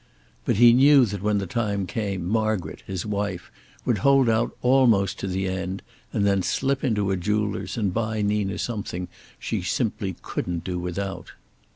But he knew that when the time came Margaret, his wife, would hold out almost to the end, and then slip into a jeweler's and buy Nina something she simply couldn't do without.